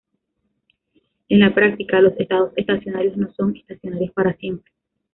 En la práctica, los estados estacionarios no son "estacionarios" para siempre.